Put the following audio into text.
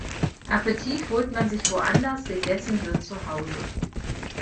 Appetit holt man sich woanders, gegessen wird zu Hause.